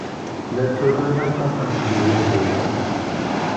La tturaren alqafen deg uyadir.